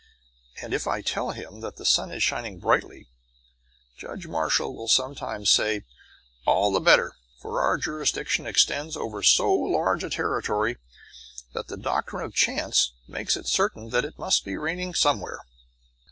And if I tell him that the sun is shining brightly, Judge Marshall will sometimes reply, 'All the better, for our jurisdiction extends over so large a territory that the doctrine of chances makes it certain that it must be raining somewhere.'"